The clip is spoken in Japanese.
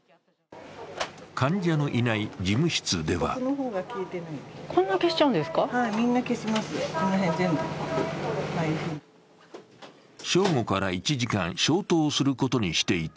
患者のいない事務室では正午から１時間、消灯することにしていて、